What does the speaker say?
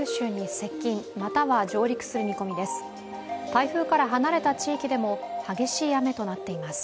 台風から離れた地域でも激しい雨となっています。